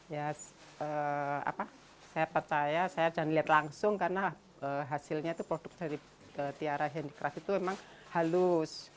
ya apa saya percaya saya jangan lihat langsung karena hasilnya itu produk dari tiara handicraft itu memang halus